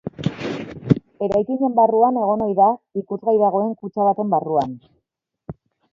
Eraikinen barruan egon ohi da, ikusgai dagoen kutxa baten barruan.